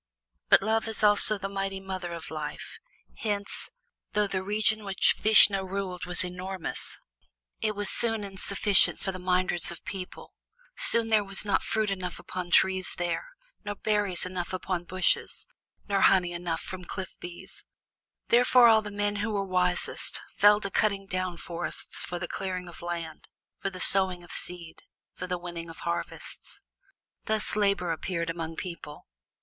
But Love is also the mighty mother of life, hence, though the region which Vishnu ruled was enormous, it was soon insufficient for the myriads of people; soon there was not fruit enough upon trees there, nor berries enough upon bushes, nor honey enough from cliff bees. Thereupon all the men who were wisest fell to cutting down forests for the clearing of land, for the sowing of seed, for the winning of harvests. Thus Labor appeared among people.